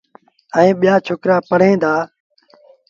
ائيٚݩ ٻيٚآ ڇوڪرآ پڙوهيݩ دآ۔